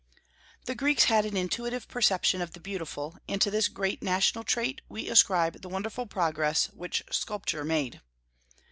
The Greeks had an intuitive perception of the beautiful, and to this great national trait we ascribe the wonderful progress which sculpture made.